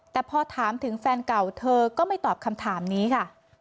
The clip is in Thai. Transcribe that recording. แต่พอถามถึงแฟนเก่าเธอก็ไม่ตอบคำถามนี้ค่ะ